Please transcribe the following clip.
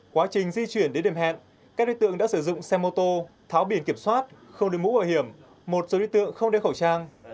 quá trình di chuyển đến điểm hẹn các đối tượng đã sử dụng xe mô tô tháo biển kiểm soát không được mũ bảo hiểm một số đối tượng không đeo khẩu trang